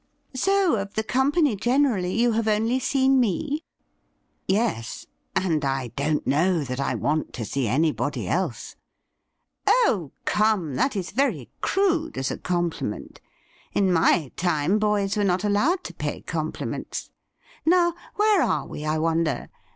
' So, of the company generally, you have only seen me ?' 'Yes; and I don't know that I want to see anybody else.' ' Oh, come, that is very crude as a compliment. In my time boys were not allowed to pay compliments. Now, where are we, I wonder